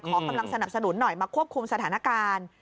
กำลังสนับสนุนหน่อยมาควบคุมสถานการณ์